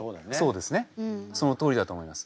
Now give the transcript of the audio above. そうですねそのとおりだと思います。